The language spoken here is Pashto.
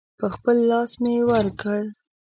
په خپل لاس مې ورکړ.